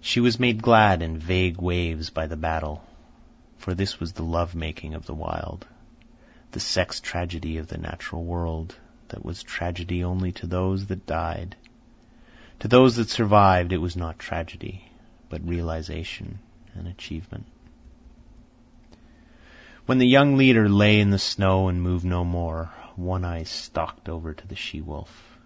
She was made glad in vague ways by the battle, for this was the love making of the Wild, the sex tragedy of the natural world that was tragedy only to those that died. To those that survived it was not tragedy, but realisation and achievement. When the young leader lay in the snow and moved no more, One Eye stalked over to the she wolf.